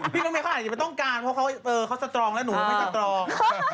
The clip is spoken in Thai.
รถเมฆเขาอาจจะไม่ต้องการเพราะเขาสตรองแล้วหนูไม่สตรอง